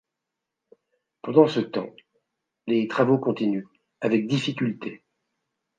Pendant ce temps, les travaux continuent avec difficultés.